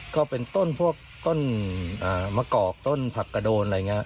ก็เป็นต้นพวกต้นมะกอกต้นผักกระโดนอะไรอย่างนี้